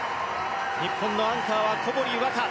日本のアンカーは小堀倭加。